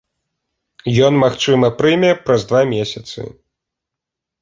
Ён, магчыма, прыме праз два месяцы.